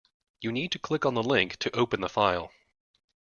You need to click on the link to open the file